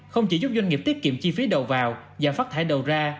không chỉ giúp doanh nghiệp tiết kiệm chi phí đầu vào giảm phát thải đầu ra